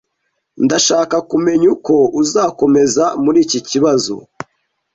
Ndashaka kumenya uko uzakomeza muri iki kibazo.